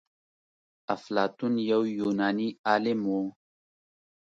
افلاطون يو يوناني عالم و.